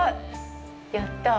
やったあ。